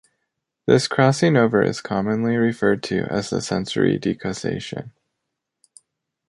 This crossing over is commonly referred to as the sensory decussation.